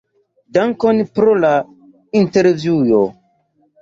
Dankon pro la intervjuo!